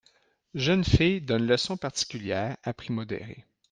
Jeune fille donne leçons particulières à prix modér.